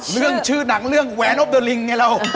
เรื่องชื่อหนังเรื่องแหวนพเดอลิงไงเรา